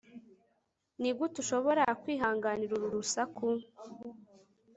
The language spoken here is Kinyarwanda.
Nigute ushobora kwihanganira uru rusaku